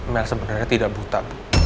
mel sebenarnya tidak buta